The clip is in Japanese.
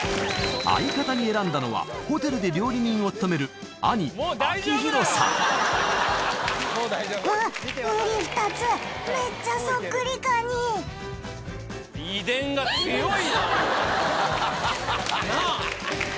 相方に選んだのはホテルで料理人を務めるハハハハ！なぁ。